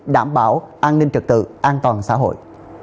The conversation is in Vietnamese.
đảm bảo an ninh trật tự an toàn xã hội